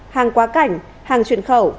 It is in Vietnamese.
hàng quá cảnh hàng chuyển khẩu